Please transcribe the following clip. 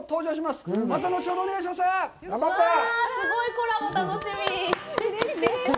すごい、コラボ楽しみ！